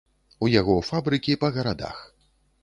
У яго фабрыкі па гарадах.